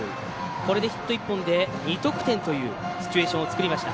これでヒット１本で２得点というシチュエーションを作りました。